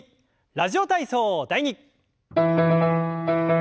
「ラジオ体操第２」。